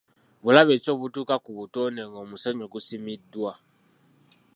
Bulabe ki obutuuka ku butonde ng'omusenyu gusimiddwa?